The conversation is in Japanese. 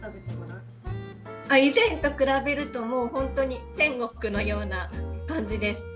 以前と比べるともうほんとに天国のような感じです。